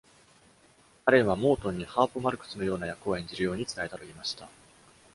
アレンはモートンにハーポ・マルクスのような役を演じるように伝えたと言いました。。